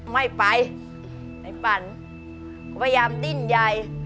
ไม่ไปไอ้ฝันก็พยายามดิ้นใย